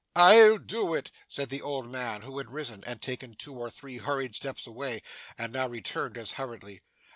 'I'll do it,' said the old man, who had risen and taken two or three hurried steps away, and now returned as hurriedly.